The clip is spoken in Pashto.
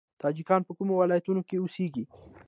تاجکان په کومو ولایتونو کې اوسیږي؟